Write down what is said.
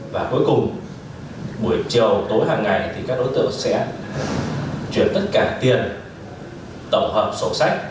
và cuối cùng buổi chiều tối hàng ngày thì các đối tượng sẽ chuyển tất cả tiền tổng hợp sổ sách